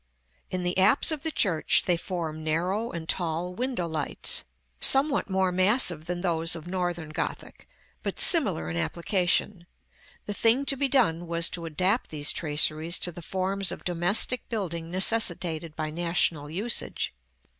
In the apse of the church they form narrow and tall window lights, somewhat more massive than those of Northern Gothic, but similar in application: the thing to be done was to adapt these traceries to the forms of domestic building necessitated by national usage.